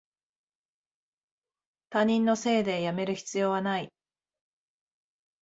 他人のせいでやめる必要はない